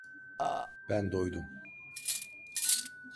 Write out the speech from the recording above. Ben doydum.